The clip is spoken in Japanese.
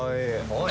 おい！